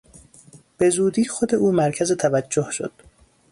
به زودی خود او مرکز توجه شد.